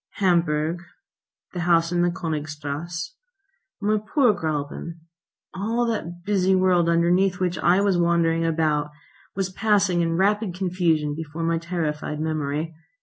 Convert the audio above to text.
Hamburg, the house in the Königstrasse, my poor Gräuben, all that busy world underneath which I was wandering about, was passing in rapid confusion before my terrified memory.